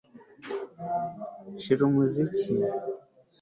Shira umuziki